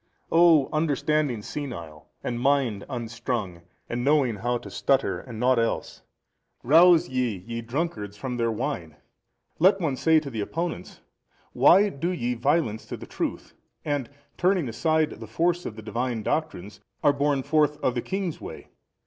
A. O understanding senile and mind unstrung and knowing how to stutter and nought else! Rouse ye, ye drunkards, from their wine, let one say to the opponents: why do ye violence to the truth and, turning aside the force of the Divine doctrines, are borne forth of the King's way?